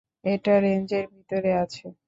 এটা রেঞ্জের ভিতরে আছে।